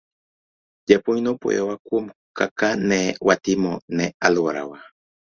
Japuonj nopwoyowa kuom kaka ne watimo ne alworawa.